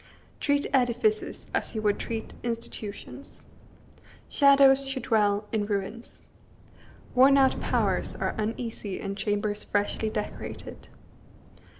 Treat edifices as you would treat institutions. Shadows should dwell in ruins. Worn out powers are uneasy in chambers freshly decorated.